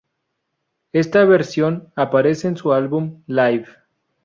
Esta versión aparece en su álbum, "Live!